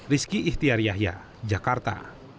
rizky ihtiar yahya jakarta